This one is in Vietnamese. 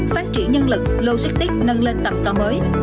phát triển nhân lực logistics nâng lên tầm to mới